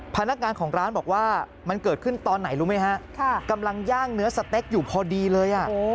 พนักงานของร้านบอกว่ามันเกิดขึ้นตอนไหนรู้ไหมฮะกำลังย่างเนื้อสเต็กอยู่พอดีเลย